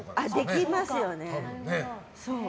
できますよね。